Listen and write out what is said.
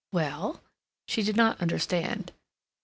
Well—?" She did not understand.